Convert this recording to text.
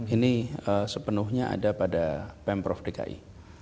ini sepenuhnya ada pada pemprov dki